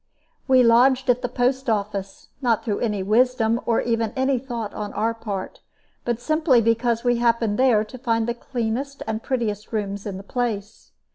We lodged at the post office, not through any wisdom or even any thought on our part, but simply because we happened there to find the cleanest and prettiest rooms in the place.